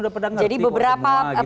sudah pernah mengerti